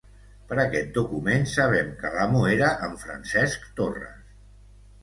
Per aquest document sabem que l'amo era en Francesc Torres.